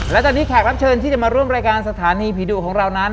และตอนนี้แขกรับเชิญที่จะมาร่วมรายการสถานีผีดุของเรานั้น